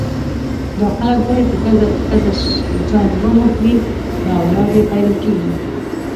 دا خلک وايي که ښځه په ښځه ځان وموښي نو اولاد یې پیدا کېږي.